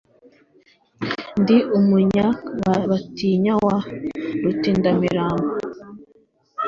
Ndi umunya batinya wa Rutindamirambo